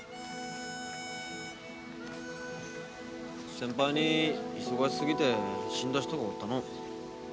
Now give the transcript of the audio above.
先輩に忙しすぎて死んだ人がおったのう。